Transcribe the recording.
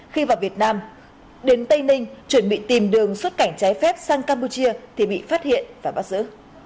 khi vào việt nam đến tây ninh chuẩn bị tìm đường xuất cảnh trái phép sang campuchia thì bị phát hiện và bắt giữ